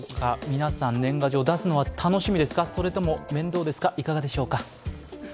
皆さん、年賀状は出すのが楽しみですかそれとも面倒ですか、いかがでしょうか？